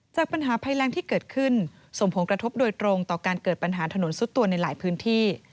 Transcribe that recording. จากปัญหาภัยแรงที่เกิดขึ้นส่งผลกระทบโดยตรงต่อการเกิดปัญหาถนนซุดตัวในหลายพื้นที่